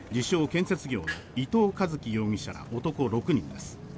・建設業の伊藤一輝容疑者ら男６人です。